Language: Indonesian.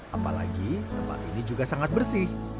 apalagi tempat ini juga sangat bersih